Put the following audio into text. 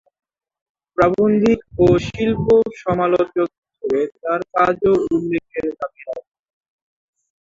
প্রাবন্ধিক ও শিল্প-সমালোচক হিসেবে তার কাজও উল্লেখের দাবি রাখে।